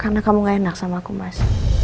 karena kamu gak enak sama aku mas